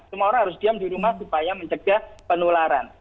semua orang harus diam di rumah supaya mencegah penularan